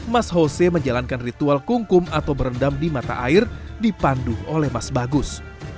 mas jose menjalankan ritual kungkum atau merendam di mata air dipandu oleh mas bagus